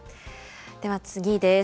では次です。